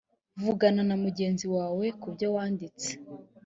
vugana na mugenzi wawe ku byo wanditse